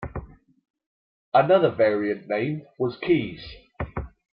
Another variant name was Keyes.